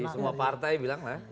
semua partai bilang lah